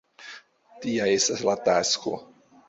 Tia estas la tasko.